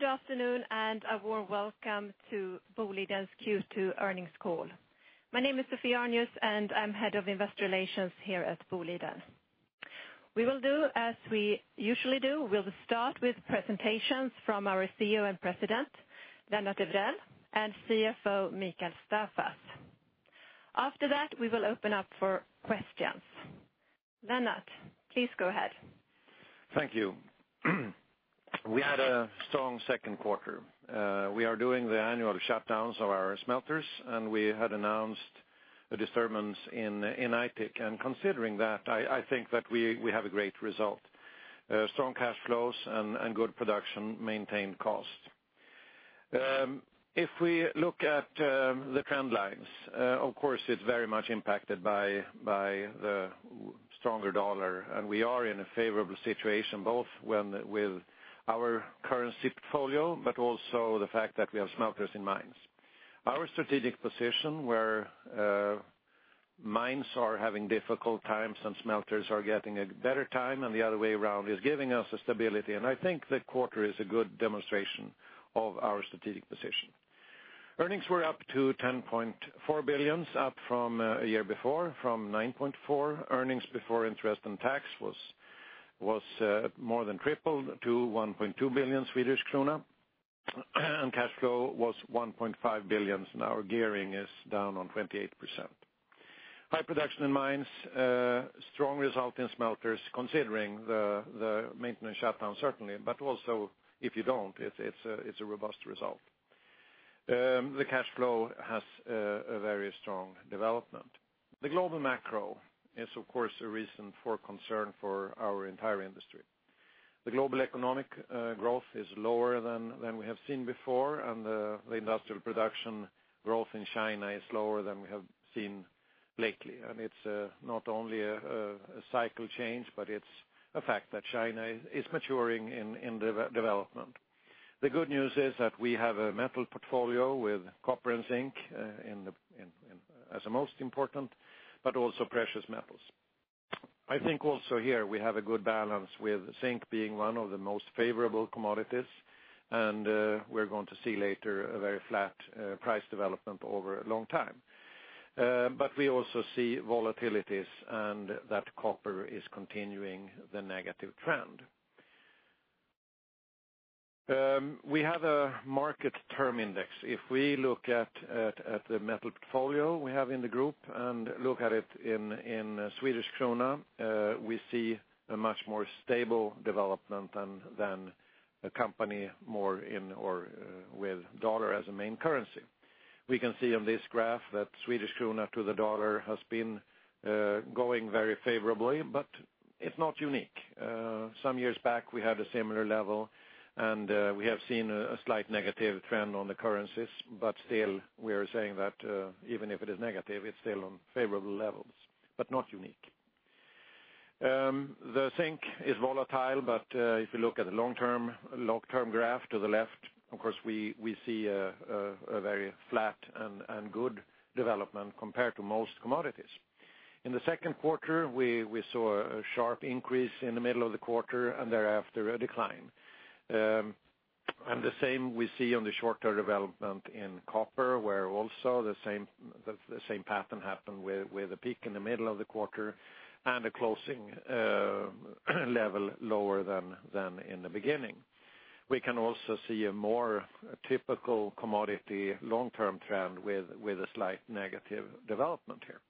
Good afternoon, a warm welcome to Boliden's Q2 earnings call. My name is Sophie Arnius, and I'm Head of Investor Relations here at Boliden. We will do as we usually do. We'll start with presentations from our CEO and President, Lennart Evrell, and CFO, Mikael Staffas. After that, we will open up for questions. Lennart, please go ahead. Thank you. We had a strong second quarter. We are doing the annual shutdowns of our smelters. We had announced the disturbance in Aitik. Considering that, I think that we have a great result. Strong cash flows and good production maintained cost. If we look at the trend lines, of course, it's very much impacted by the stronger dollar. We are in a favorable situation, both with our currency portfolio, but also the fact that we have smelters and mines. Our strategic position where mines are having difficult times and smelters are getting a better time, and the other way around, is giving us stability. I think the quarter is a good demonstration of our strategic position. Earnings were up to 10.4 billion, up from a year before, from 9.4 billion. Earnings before interest and tax was more than tripled to 1.2 billion Swedish krona. Cash flow was 1.5 billion, and our gearing is down on 28%. High production in mines, strong result in smelters, considering the maintenance shutdown, certainly, but also, if you don't, it's a robust result. The cash flow has a very strong development. The global macro is, of course, a reason for concern for our entire industry. The global economic growth is lower than we have seen before. The industrial production growth in China is lower than we have seen lately. It's not only a cycle change, but it's a fact that China is maturing in development. The good news is that we have a metal portfolio with copper and zinc as the most important, but also precious metals. I think also here we have a good balance, with zinc being one of the most favorable commodities. We're going to see later a very flat price development over a long time. We also see volatilities, and that copper is continuing the negative trend. We have a market term index. If we look at the metal portfolio we have in the group and look at it in Swedish krona, we see a much more stable development than a company more with dollar as a main currency. We can see on this graph that Swedish krona to the dollar has been going very favorably, but it's not unique. Some years back, we had a similar level. We have seen a slight negative trend on the currencies, but still, we are saying that even if it is negative, it's still on favorable levels, but not unique. The zinc is volatile, but if you look at the long-term graph to the left, of course, we see a very flat and good development compared to most commodities. In the second quarter, we saw a sharp increase in the middle of the quarter and thereafter a decline. The same we see on the short-term development in copper, where also the same pattern happened with a peak in the middle of the quarter and a closing level lower than in the beginning. We can also see a more typical commodity long-term trend with a slight negative development here.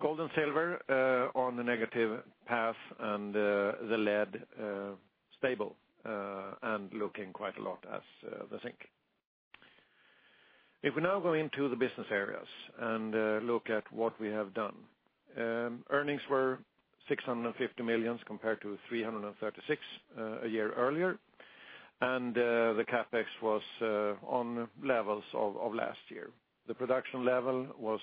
Gold and silver are on the negative path, the lead stable and looking quite a lot as the zinc. If we now go into the business areas and look at what we have done. Earnings were 650 million compared to 336 a year earlier, the CapEx was on levels of last year. The production level was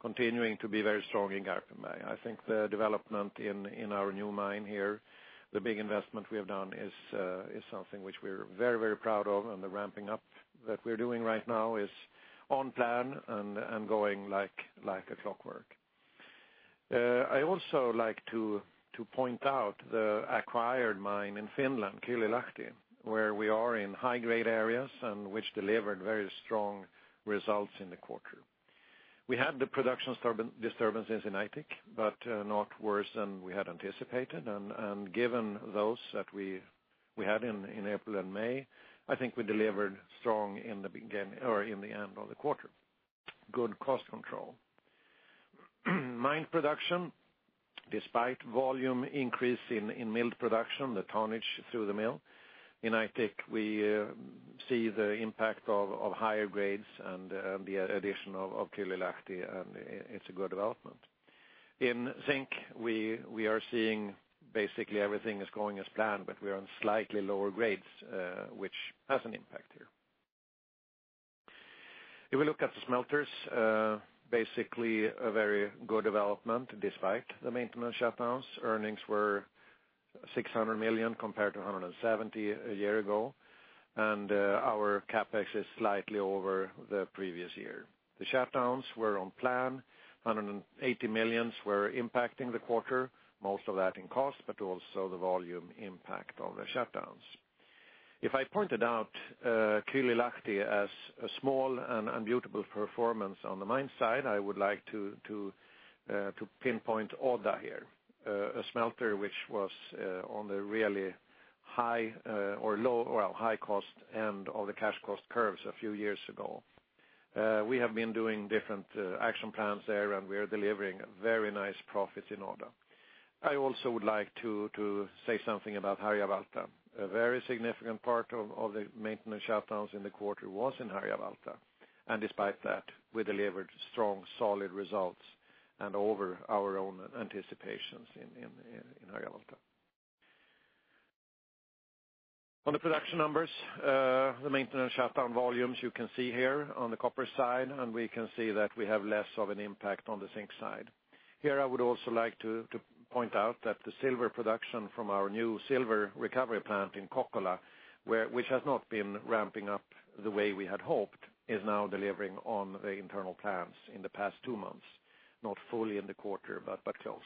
continuing to be very strong in Garpenberg. I think the development in our new mine here, the big investment we have done is something which we're very proud of, and the ramping up that we're doing right now is on plan and going like a clockwork. I also like to point out the acquired mine in Finland, Kylylahti, where we are in high-grade areas and which delivered very strong results in the quarter. We had the production disturbances in Aitik, but not worse than we had anticipated. Given those that we had in April and May, I think we delivered strong in the end of the quarter. Good cost control. Mine production, despite volume increase in milled production, the tonnage through the mill. In Aitik, we see the impact of higher grades and the addition of Kylylahti, it's a good development. In zinc, we are seeing basically everything is going as planned, but we are on slightly lower grades, which has an impact here. If we look at the smelters, basically a very good development despite the maintenance shutdowns. Earnings were 600 million compared to 170 a year ago. Our CapEx is slightly over the previous year. The shutdowns were on plan, 180 million were impacting the quarter, most of that in cost, but also the volume impact of the shutdowns. If I pointed out Kylylahti as a small and beautiful performance on the mine side, I would like to pinpoint Odda here. A smelter which was on the really high cost end of the cash cost curves a few years ago. We have been doing different action plans there, we are delivering very nice profits in Odda. I also would like to say something about Harjavalta. A very significant part of the maintenance shutdowns in the quarter was in Harjavalta, despite that, we delivered strong, solid results and over our own anticipations in Harjavalta. On the production numbers, the maintenance shutdown volumes you can see here on the copper side, we can see that we have less of an impact on the zinc side. Here I would also like to point out that the silver production from our new silver recovery plant in Kokkola, which has not been ramping up the way we had hoped, is now delivering on the internal plans in the past two months. Not fully in the quarter, but close.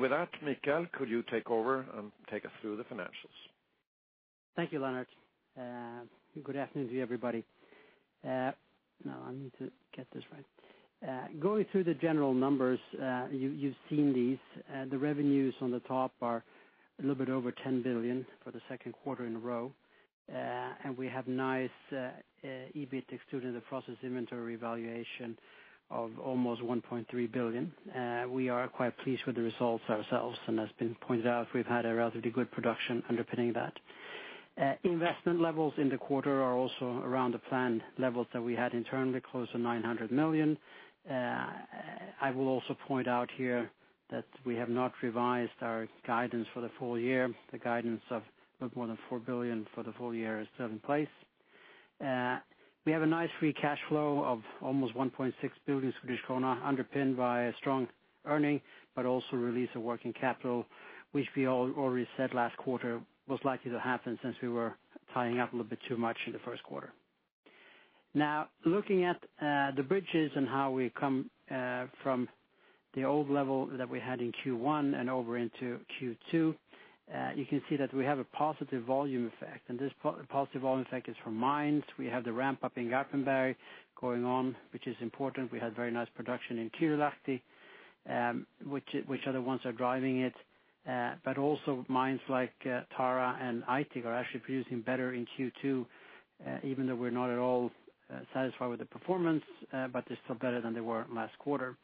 With that, Mikael, could you take over and take us through the financials? Thank you, Lennart. Good afternoon to you, everybody. Now I need to get this right. Going through the general numbers, you've seen these. The revenues on the top are a little bit over 10 billion for the second quarter in a row. We have nice EBIT excluding the process inventory valuation of almost 1.3 billion. We are quite pleased with the results ourselves, and as been pointed out, we've had a relatively good production underpinning that. Investment levels in the quarter are also around the planned levels that we had internally, close to 900 million. I will also point out here that we have not revised our guidance for the full year. The guidance of a little more than 4 billion for the full year is still in place. We have a nice free cash flow of almost 1.6 billion Swedish krona underpinned by a strong earning, also release of working capital, which we already said last quarter was likely to happen since we were tying up a little bit too much in the first quarter. Looking at the bridges and how we come from the old level that we had in Q1 and over into Q2, you can see that we have a positive volume effect. This positive volume effect is from mines. We have the ramp-up in Garpenberg going on, which is important. We had very nice production in Kylylahti, which are the ones that are driving it. Also mines like Tara and Aitik are actually producing better in Q2, even though we're not at all satisfied with the performance, they're still better than they were last quarter.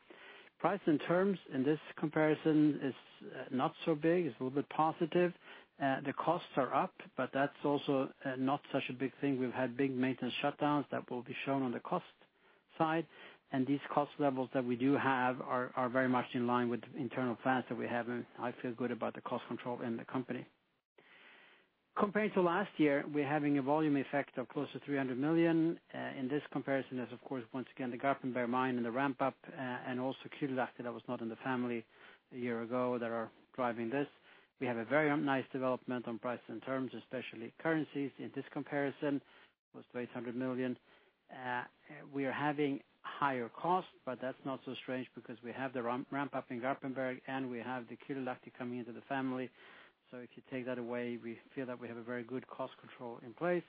Price and terms in this comparison is not so big, it's a little bit positive. The costs are up, that's also not such a big thing. We've had big maintenance shutdowns that will be shown on the cost side, these cost levels that we do have are very much in line with internal plans that we have, I feel good about the cost control in the company. Compared to last year, we're having a volume effect of close to 300 million. In this comparison, there's of course, once again, the Garpenberg mine and the ramp-up, also Kylylahti that was not in the family a year ago that are driving this. We have a very nice development on price and terms, especially currencies in this comparison, close to 800 million. We are having higher costs, that's not so strange because we have the ramp-up in Garpenberg, we have the Kylylahti coming into the family. If you take that away, we feel that we have a very good cost control in place.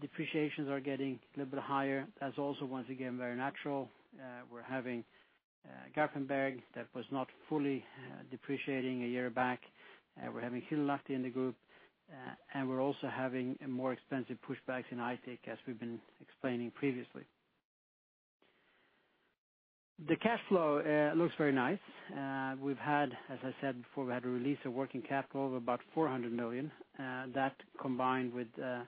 Depreciations are getting a little bit higher. That's also, once again, very natural. We're having Garpenberg that was not fully depreciating a year back. We're having Kylylahti in the group. We're also having more expensive pushbacks in Aitik as we've been explaining previously. The cash flow looks very nice. We've had, as I said before, we had a release of working capital of about 400 million. That combined with the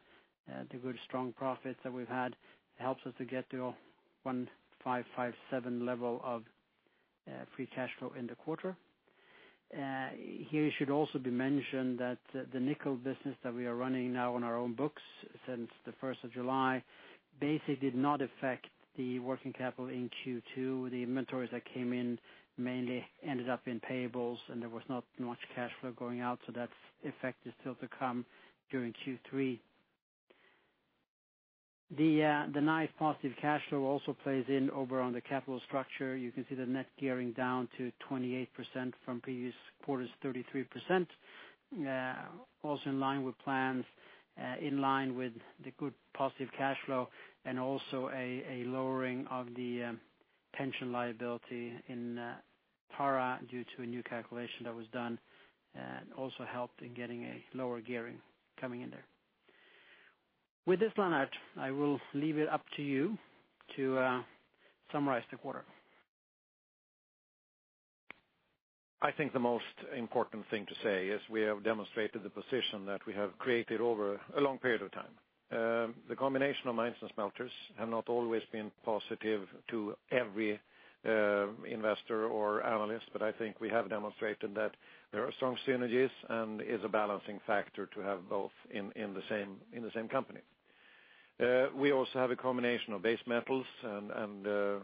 good strong profits that we've had helps us to get to a 1,557 level of free cash flow in the quarter. Here it should also be mentioned that the nickel business that we are running now on our own books since the 1st of July, basically did not affect the working capital in Q2. The inventories that came in mainly ended up in payables. There was not much cash flow going out, so that effect is still to come during Q3. The nice positive cash flow also plays in over on the capital structure. You can see the net gearing down to 28% from previous quarter's 33%. In line with plans, in line with the good positive cash flow. A lowering of the pension liability in Tara due to a new calculation that was done also helped in getting a lower gearing coming in there. Lennart, I will leave it up to you to summarize the quarter. I think the most important thing to say is we have demonstrated the position that we have created over a long period of time. The combination of mines and smelters have not always been positive to every investor or analyst. I think we have demonstrated that there are strong synergies and is a balancing factor to have both in the same company. We also have a combination of base metals and the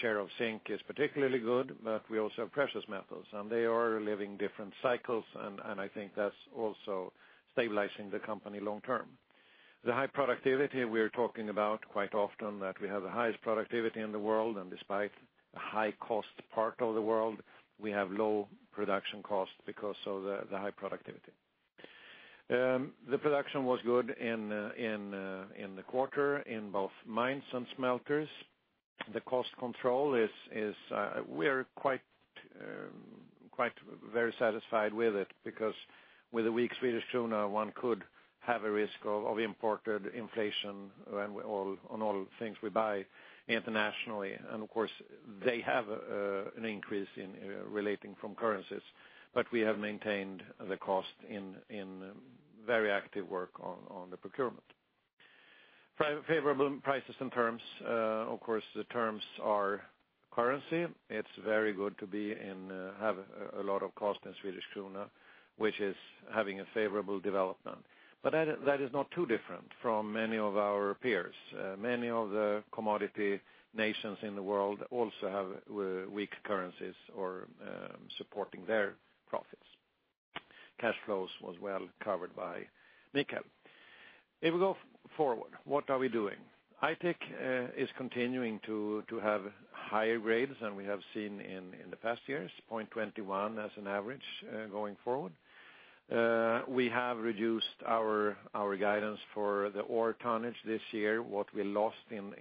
share of zinc is particularly good, but we also have precious metals and they are living different cycles. I think that's also stabilizing the company long term. The high productivity we're talking about quite often that we have the highest productivity in the world, and despite the high cost part of the world, we have low production costs because of the high productivity. The production was good in the quarter in both mines and smelters. The cost control, we're very satisfied with it because with a weak Swedish krona, one could have a risk of imported inflation on all things we buy internationally. Of course, they have an increase relating from currencies. We have maintained the cost in very active work on the procurement. Favorable prices and terms. The terms are currency. It's very good to have a lot of cost in Swedish krona, which is having a favorable development. That is not too different from many of our peers. Many of the commodity nations in the world also have weak currencies or supporting their profits. Cash flows was well covered by nickel. What are we doing? Aitik is continuing to have higher grades than we have seen in the past years, 0.21 as an average, going forward. We have reduced our guidance for the ore tonnage this year. What we lost in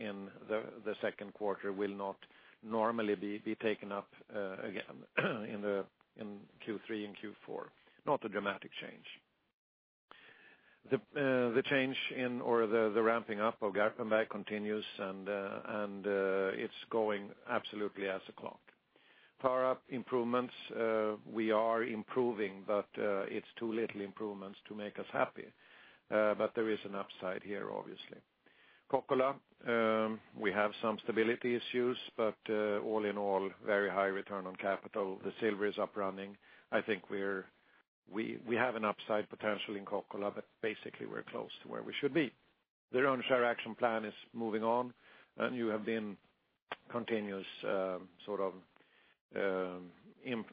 the second quarter will not normally be taken up again in Q3 and Q4. Not a dramatic change. The change in or the ramping up of Garpenberg continues and it's going absolutely as a clock. Power up improvements, we are improving, but it's too little improvements to make us happy. There is an upside here, obviously. Kokkola, we have some stability issues, but all in all, very high return on capital. The silver is up running. I think we have an upside potential in Kokkola, but basically we're close to where we should be. Their own share action plan is moving on, and you have been continuous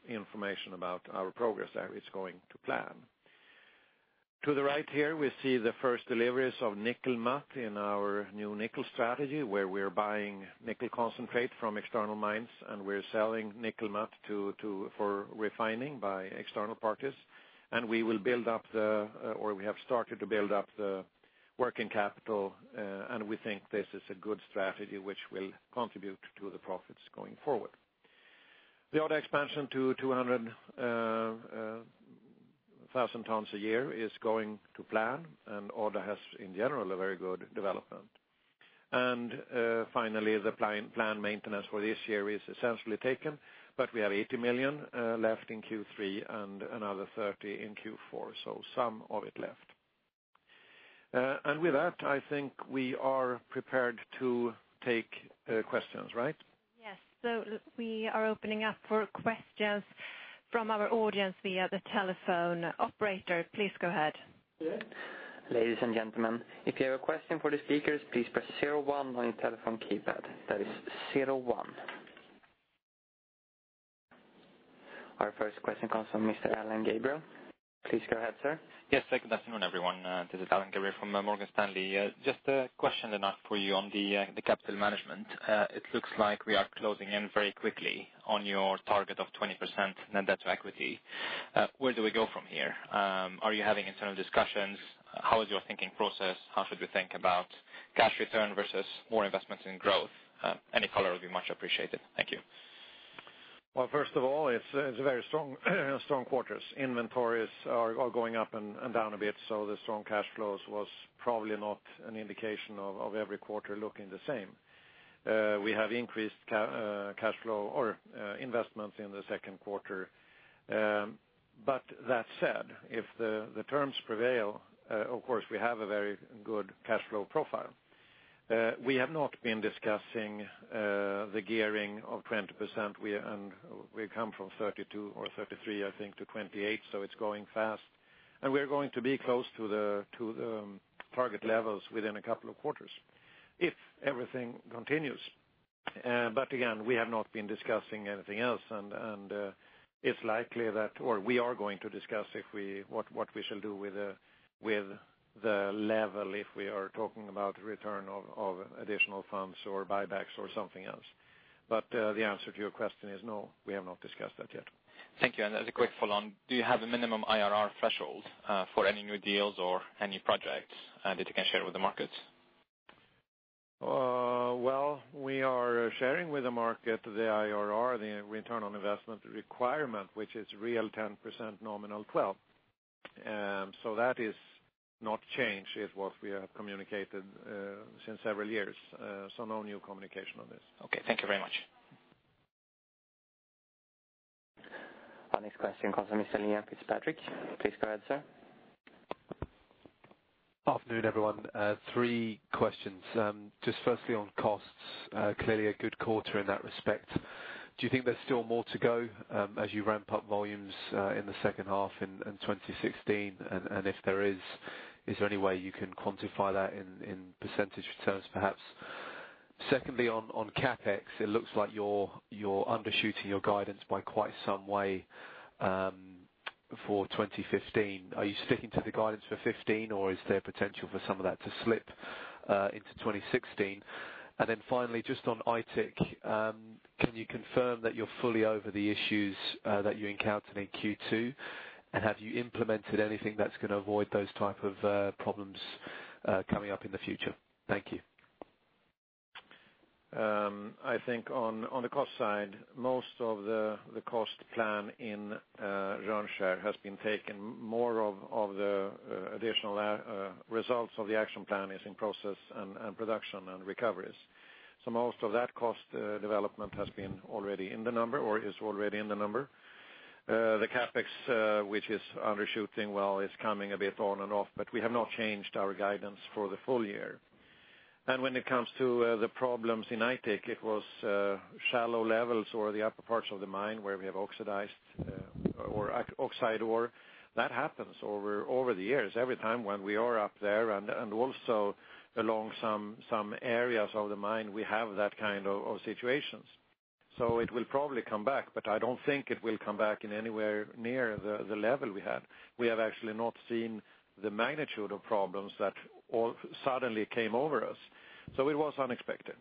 information about our progress there. It's going to plan. To the right here, we see the first deliveries of nickel matte in our new nickel strategy, where we're buying nickel concentrate from external mines, and we're selling nickel matte for refining by external parties. We have started to build up the working capital, and we think this is a good strategy which will contribute to the profits going forward. The order expansion to 200,000 tons a year is going to plan, and order has, in general, a very good development. Finally, the planned maintenance for this year is essentially taken, but we have 80 million left in Q3 and another 30 million in Q4. Some of it left. With that, I think we are prepared to take questions, right? Yes. We are opening up for questions from our audience via the telephone. Operator, please go ahead. Ladies and gentlemen, if you have a question for the speakers, please press 01 on your telephone keypad. That is 01. Our first question comes from Mr. Alain Gabriel. Please go ahead, sir. Yes. Good afternoon, everyone. This is Alain Gabriel from Morgan Stanley. Just a question for you on the capital management. It looks like we are closing in very quickly on your target of 20% net debt to equity. Where do we go from here? Are you having internal discussions? How is your thinking process? How should we think about cash return versus more investments in growth? Any color would be much appreciated. Thank you. Well, first of all, it's very strong quarters. Inventories are going up and down a bit, so the strong cash flows was probably not an indication of every quarter looking the same. We have increased cash flow or investments in the second quarter. That said, if the terms prevail, of course, we have a very good cash flow profile. We have not been discussing the gearing of 20%. We come from 32 or 33, I think, to 28, so it's going fast. We're going to be close to the target levels within a couple of quarters if everything continues. Again, we have not been discussing anything else, and it's likely that we are going to discuss what we shall do with the level if we are talking about return of additional funds or buybacks or something else. The answer to your question is no, we have not discussed that yet. Thank you. As a quick follow-on, do you have a minimum IRR threshold for any new deals or any projects that you can share with the markets? Well, we are sharing with the market the IRR, the return on investment requirement, which is real 10%, nominal 12. That is not changed. It was we have communicated since several years. No new communication on this. Okay. Thank you very much. Our next question comes from Mr. Liam Fitzpatrick. Please go ahead, sir. Afternoon, everyone. Three questions. Just firstly on costs, clearly a good quarter in that respect. Do you think there's still more to go as you ramp up volumes in the second half in 2016? If there is there any way you can quantify that in % terms perhaps? Secondly, on CapEx, it looks like you're undershooting your guidance by quite some way for 2015. Are you sticking to the guidance for 2015, or is there potential for some of that to slip into 2016? Finally, just on Aitik, can you confirm that you're fully over the issues that you encountered in Q2? Have you implemented anything that's going to avoid those type of problems coming up in the future? Thank you. I think on the cost side, most of the cost plan in Rönnskär has been taken. More of the additional results of the action plan is in process and production and recoveries. Most of that cost development has been already in the number or is already in the number. The CapEx, which is undershooting, well, it's coming a bit on and off. We have not changed our guidance for the full year. When it comes to the problems in Aitik, it was shallow levels or the upper parts of the mine where we have oxidized or oxide ore. That happens over the years. Every time when we are up there and also along some areas of the mine, we have that kind of situations. It will probably come back, but I don't think it will come back in anywhere near the level we had. We have actually not seen the magnitude of problems that all suddenly came over us. It was unexpected.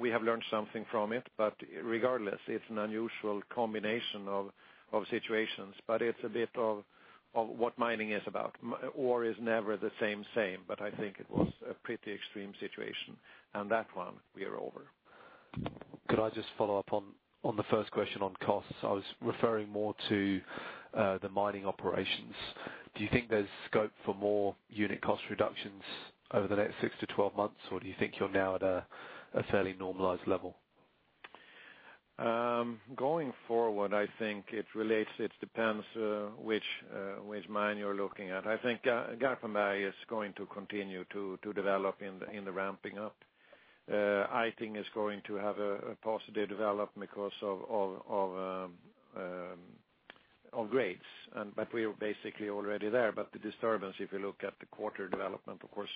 We have learned something from it, but regardless, it's an unusual combination of situations. It's a bit of what mining is about. Ore is never the same-same, but I think it was a pretty extreme situation. That one we are over. Could I just follow up on the first question on costs? I was referring more to the mining operations. Do you think there's scope for more unit cost reductions over the next 6-12 months, or do you think you're now at a fairly normalized level? Going forward, I think it depends which mine you're looking at. I think Garpenberg is going to continue to develop in the ramping up. Aitik is going to have a positive development because of grades. We're basically already there. The disturbance, if you look at the quarter development, of course,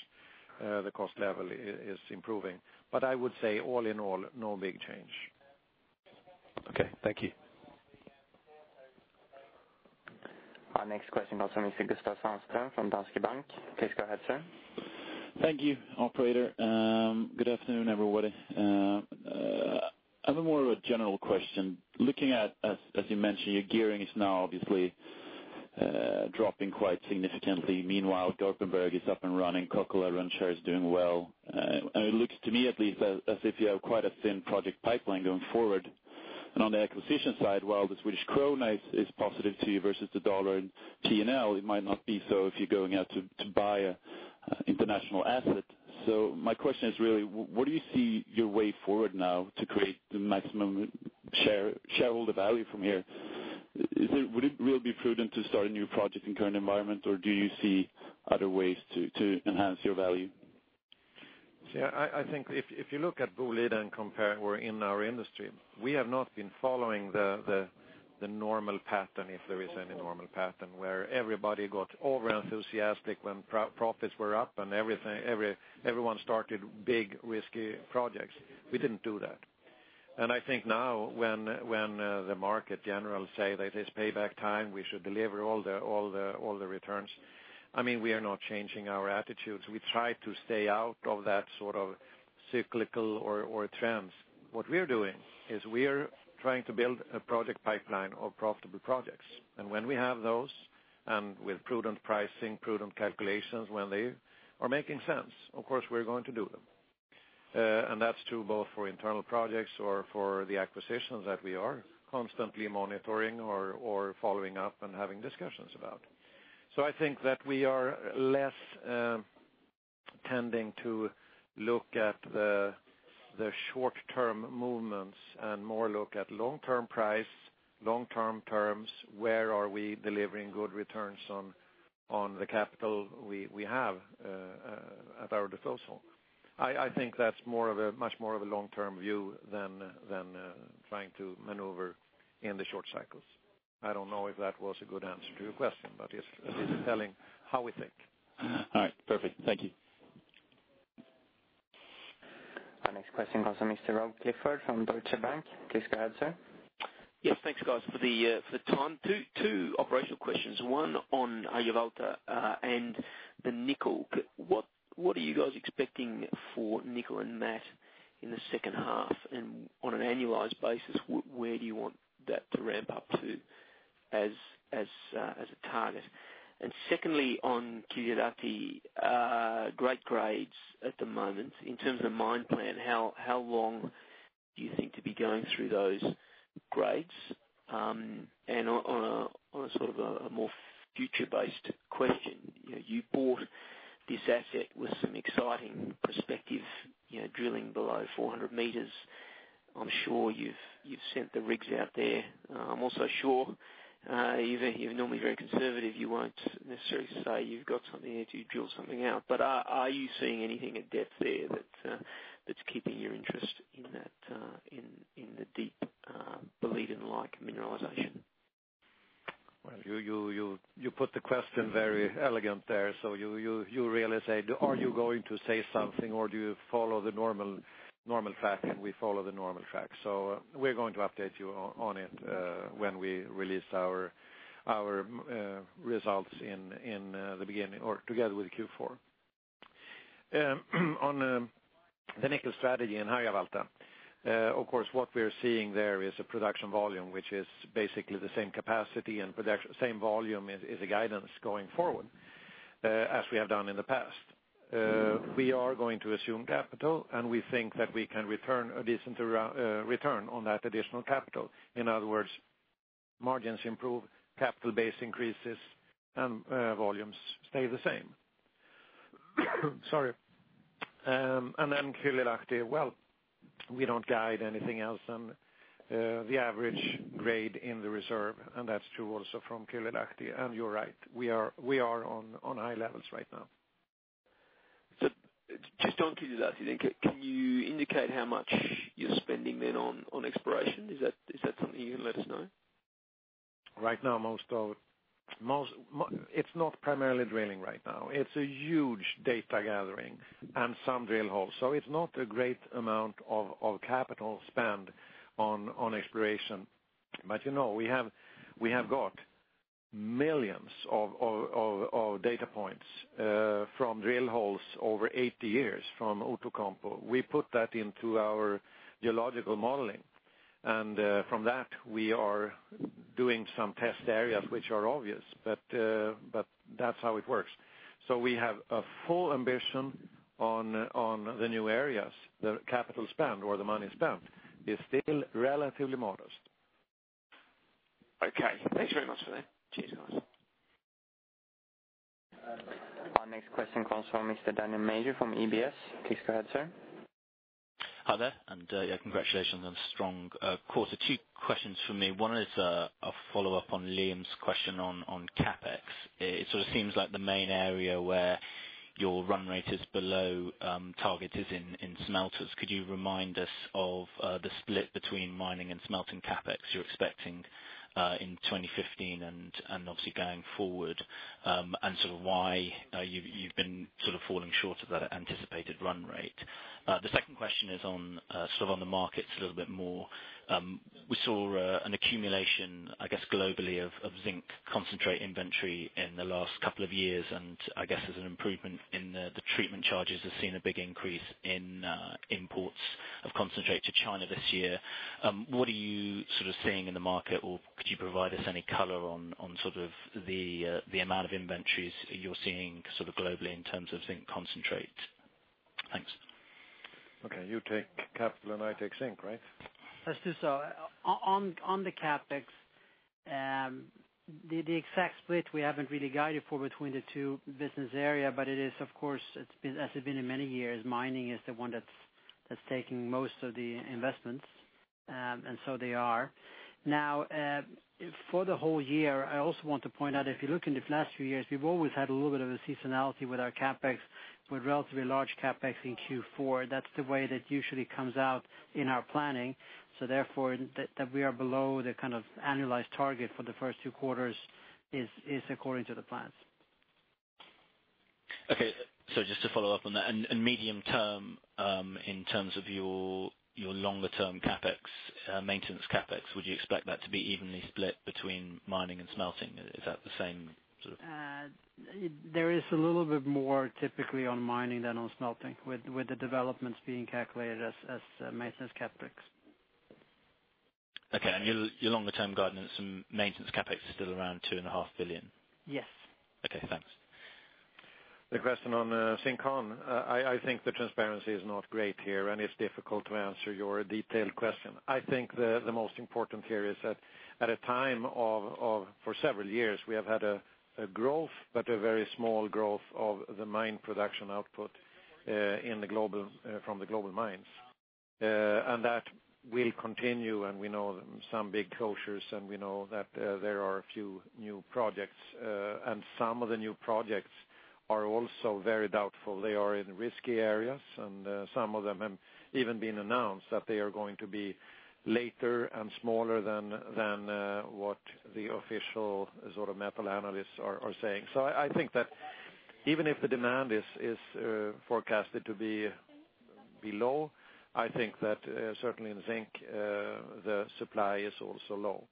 the cost level is improving. I would say all in all, no big change. Okay. Thank you. Our next question comes from Mr. Gustaf Sandström from Danske Bank. Please go ahead, sir. Thank you, operator. Good afternoon, everybody. I have more of a general question. Looking at, as you mentioned, your gearing is now obviously dropping quite significantly. Meanwhile, Garpenberg is up and running, Kokkola and Rönnskär is doing well. It looks to me at least as if you have quite a thin project pipeline going forward. On the acquisition side, while the Swedish krona is positive to you versus the dollar in P&L, it might not be so if you're going out to buy international asset. My question is really: Where do you see your way forward now to create the maximum shareholder value from here? Would it really be prudent to start a new project in current environment, or do you see other ways to enhance your value? I think if you look at Boliden compared, we're in our industry. We have not been following the normal pattern, if there is any normal pattern, where everybody got over-enthusiastic when profits were up and everyone started big risky projects. We didn't do that. I think now when the market general say that it's payback time, we should deliver all the returns. We are not changing our attitudes. We try to stay out of that cyclical or trends. What we're doing is we are trying to build a project pipeline of profitable projects. When we have those, and with prudent pricing, prudent calculations, when they are making sense, of course, we're going to do them. That's true both for internal projects or for the acquisitions that we are constantly monitoring or following up and having discussions about. I think that we are less tending to look at the short-term movements and more look at long-term price, long-term terms, where are we delivering good returns on the capital we have at our disposal. I think that's much more of a long-term view than trying to maneuver in the short cycles. I don't know if that was a good answer to your question, but it's telling how we think. All right, perfect. Thank you. Our next question comes from Mr. Rob Clifford from Deutsche Bank. Please go ahead, sir. Yes, thanks guys for the time. Two operational questions, one on Harjavalta and the nickel. What are you guys expecting for nickel matte in the second half? On an annualized basis, where do you want that to ramp up to as a target? Secondly, on Kylylahti, great grades at the moment. In terms of mine plan, how long do you think to be going through those grades? On a more future-based question, you bought this asset with some exciting perspective, drilling below 400 meters. I'm sure you've sent the rigs out there. I'm also sure you're normally very conservative. You won't necessarily say you've got something here to drill something out. Are you seeing anything at depth there that's keeping your interest in the deep Boliden-like mineralization? You put the question very elegant there, you really said, are you going to say something or do you follow the normal track? We follow the normal track. We're going to update you on it when we release our results together with Q4. On the nickel strategy in Harjavalta, of course, what we're seeing there is a production volume, which is basically the same capacity and same volume as the guidance going forward, as we have done in the past. We are going to assume capital, and we think that we can return a decent return on that additional capital. In other words, margins improve, capital base increases, and volumes stay the same. Sorry. Then Kylylahti, well, we don't guide anything else than the average grade in the reserve, and that's true also from Kylylahti. You're right, we are on high levels right now. Just on Kylylahti, can you indicate how much you're spending on exploration? Is that something you can let us know? Right now, it's not primarily drilling right now. It's a huge data gathering and some drill holes. It's not a great amount of capital spend on exploration. We have got millions of data points from drill holes over 80 years from Outokumpu. We put that into our geological modeling, and from that we are doing some test areas which are obvious, but that's how it works. We have a full ambition on the new areas. The capital spend or the money spent is still relatively modest. Okay, thanks very much for that. Cheers. Our next question comes from Mr. Daniel Major from UBS. Please go ahead, sir. Hi there. Congratulations on a strong quarter. Two questions from me. One is a follow-up on Liam's question on CapEx. It sort of seems like the main area where your run rate is below target is in smelters. Could you remind us of the split between mining and smelting CapEx you're expecting in 2015 and obviously going forward, and sort of why you've been falling short of that anticipated run rate? The second question is on the markets a little bit more. We saw an accumulation, I guess, globally of zinc concentrate inventory in the last couple of years, and I guess as an improvement in the treatment charges have seen a big increase in imports of concentrate to China this year. What are you seeing in the market, or could you provide us any color on the amount of inventories you're seeing globally in terms of zinc concentrate? Thanks. Okay, you take capital and I take zinc, right? Let's do so. On the CapEx, the exact split we haven't really guided for between the two business area, but it is, of course, as it has been in many years, mining is the one that's taking most of the investments. They are. Now, for the whole year, I also want to point out, if you look in the last few years, we've always had a little bit of a seasonality with our CapEx, with relatively large CapEx in Q4. That's the way that usually comes out in our planning. Therefore, that we are below the kind of annualized target for the first two quarters is according to the plans. Okay. Just to follow up on that, medium term, in terms of your longer term CapEx, maintenance CapEx, would you expect that to be evenly split between mining and smelting? Is that the same sort of- There is a little bit more typically on mining than on smelting, with the developments being calculated as maintenance CapEx. Okay. Your longer term guidance and maintenance CapEx is still around 2.5 billion? Yes. Okay, thanks. The question on zinc concentrate. I think the transparency is not great here, and it's difficult to answer your detailed question. I think the most important here is that at a time of, for several years, we have had a growth, but a very small growth of the mine production output from the global mines. That will continue, and we know some big closures, and we know that there are a few new projects. Some of the new projects are also very doubtful. They are in risky areas, and some of them have even been announced that they are going to be later and smaller than what the official sort of metal analysts are saying. I think that even if the demand is forecasted to be low, I think that certainly in zinc, the supply is also low.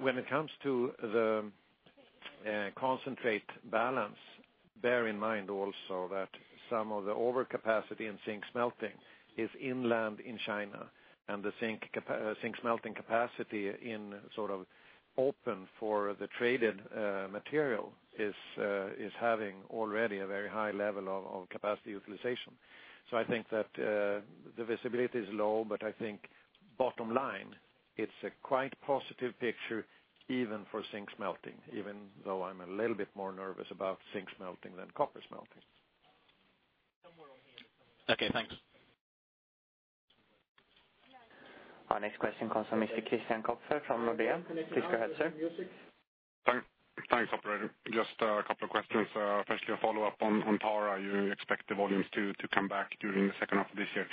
When it comes to the concentrate balance, bear in mind also that some of the overcapacity in zinc smelting is inland in China, and the zinc smelting capacity in sort of open for the traded material is having already a very high level of capacity utilization. I think that the visibility is low, but I think bottom line, it's a quite positive picture even for zinc smelting, even though I'm a little bit more nervous about zinc smelting than copper smelting. Okay, thanks. Our next question comes from Mr. Christian Kopfer from Nordea. Please go ahead, sir. Thanks, operator. Just a couple of questions. Firstly, a follow-up on Tara. You expect the volumes to come back during the second half of this year.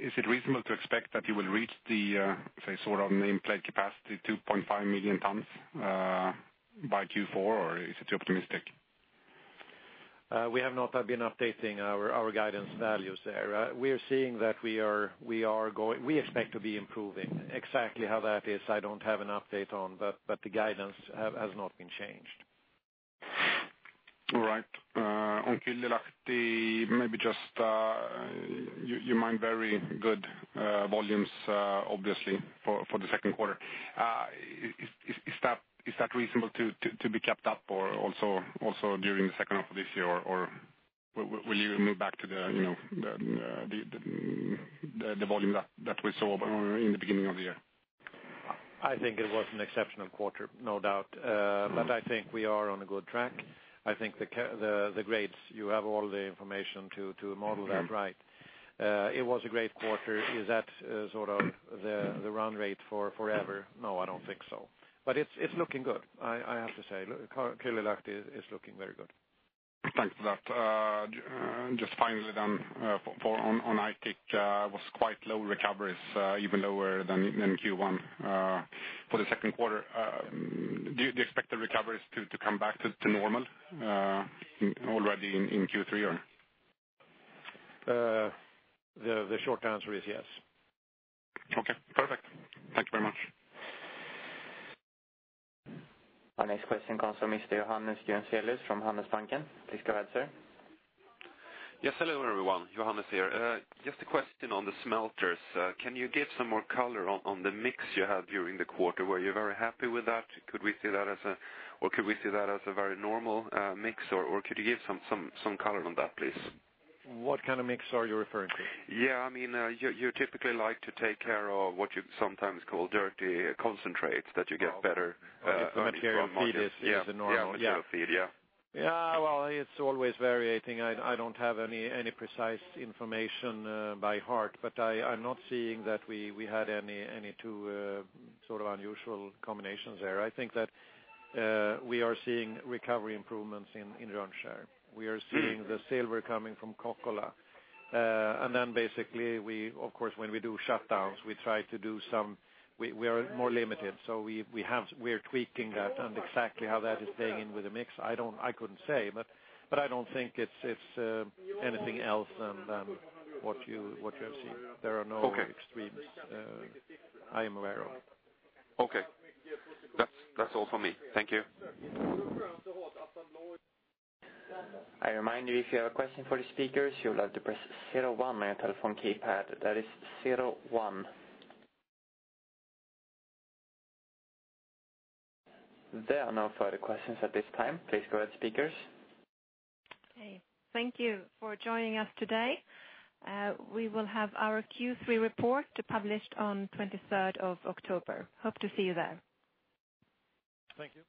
Is it reasonable to expect that you will reach the nameplate capacity, 2.5 million tons by Q4 or is it too optimistic? We have not been updating our guidance values there. We expect to be improving. Exactly how that is, I don't have an update on, but the guidance has not been changed. All right. On Kylylahti, you mined very good volumes, obviously, for the second quarter. Is that reasonable to be kept up or also during the second half of this year, or will you move back to the volume that we saw in the beginning of the year? I think it was an exceptional quarter, no doubt. I think we are on a good track. I think the grades, you have all the information to model that right. It was a great quarter. Is that the run rate for forever? No, I don't think so. It's looking good, I have to say. Kylylahti is looking very good. Thanks for that. Just finally then, on Aitik, was quite low recoveries, even lower than in Q1. For the second quarter, do you expect the recoveries to come back to normal already in Q3? The short answer is yes. Okay, perfect. Thank you very much. Our next question comes from Mr. Johannes Gjenselius from Handelsbanken. Please go ahead, sir. Yes. Hello, everyone. Johannes here. Just a question on the smelters. Can you give some more color on the mix you had during the quarter? Were you very happy with that? Could we see that as a very normal mix, or could you give some color on that, please? What kind of mix are you referring to? Yeah. You typically like to take care of what you sometimes call dirty concentrates that you get better- Material feed is the normal- Yeah. Material feed, yeah. Well, it's always variating. I don't have any precise information by heart. I'm not seeing that we had any two unusual combinations there. I think that we are seeing recovery improvements in Rönnskär. We are seeing the silver coming from Kokkola. Basically, of course, when we do shutdowns, we are more limited. We are tweaking that, and exactly how that is playing in with the mix, I couldn't say. I don't think it's anything else than what you have seen. There are no extremes I am aware of. Okay. That's all from me. Thank you. I remind you, if you have a question for the speakers, you'll have to press zero one on your telephone keypad. That is zero one. There are no further questions at this time. Please go ahead, speakers. Okay, thank you for joining us today. We will have our Q3 report published on 23rd of October. Hope to see you there. Thank you.